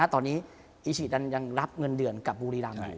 ตอนนี้อิชิยังรับเงินเดือนกับบุรีรำ